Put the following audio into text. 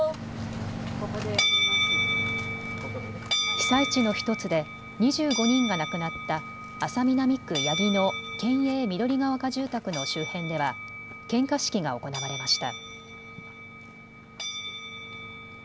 被災地の１つで２５人が亡くなった安佐南区八木の県営緑丘住宅の周辺では献花式が行われました。